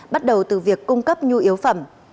bắt đầu từ việc cung cấp nhu yếu phẩm